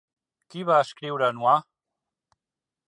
Qui va escriure Noir?